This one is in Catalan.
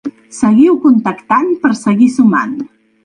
Seguiu contactant per seguir sumant.